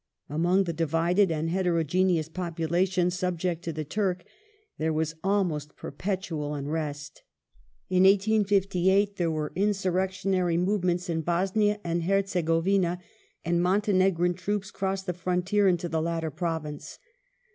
Among the divided and heterogeneous populations subject to the Turk, there was almost perpetual unrest. In 1858 there were insurrectionary movements in Bosnia and Her 1 zegovina, and Montenegrin troops crossed the frontier into the ' latter province.